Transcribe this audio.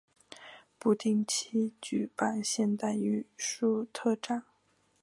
不定期举办现代艺术特展。